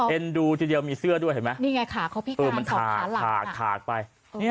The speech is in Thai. เอ็นดูทีเดียวมีเสื้อด้วยเพลงขอกลางขากไป